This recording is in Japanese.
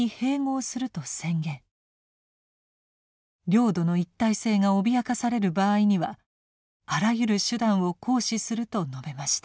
領土の一体性が脅かされる場合にはあらゆる手段を行使すると述べました。